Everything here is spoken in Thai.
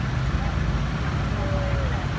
พร้อมต่ำยาว